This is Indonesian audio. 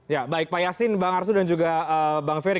ya baik pak yasin bang arsul dan juga bang ferry